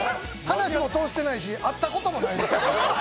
話も通してないし、会ったこともない。